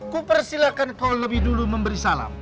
kupersilakan kau lebih dulu memberi salam